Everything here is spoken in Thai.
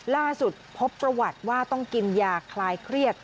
ล่าสุดพบประวัติว่าต้องกินยาคลายเครียด